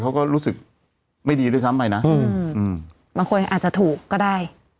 เขาก็รู้สึกไม่ดีด้วยซ้ำไปนะอืมบางคนอาจจะถูกก็ได้